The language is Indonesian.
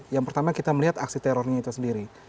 yang pertama kita melihat aksi terornya itu sendiri